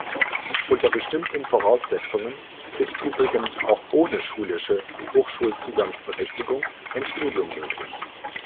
Unter bestimmten Voraussetzungen ist übrigens auch ohne schulische Hochschulzugangsberechtigung ein Studium möglich.